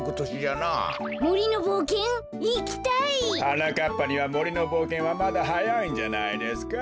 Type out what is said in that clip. はなかっぱにはもりのぼうけんはまだはやいんじゃないですか？